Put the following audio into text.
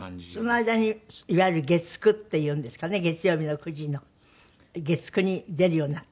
その間にいわゆる月９っていうんですかね月曜日の９時の月９に出るようになった？